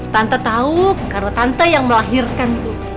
tanpa tahu karena tante yang melahirkan